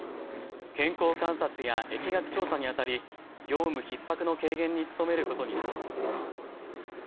健康観察や疫学調査にあたり業務ひっ迫の軽減に努めることにしています。